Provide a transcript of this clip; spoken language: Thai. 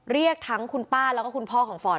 เรียกทั้งคุณป้าและคุณพ่อของฟอร์ด